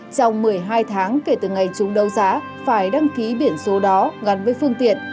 trong một mươi hai tháng kể từ ngày chúng đấu giá phải đăng ký biển số đó gắn với phương tiện